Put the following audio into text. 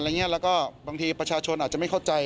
แล้วก็บางทีประชาชนอาจจะไม่เข้าใจ